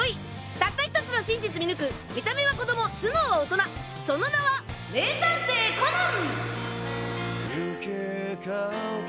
たった１つの真実見抜く見た目は子供頭脳は大人その名は名探偵コナン！